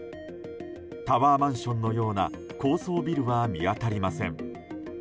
タワーマンションのような高層ビルは見当たりません。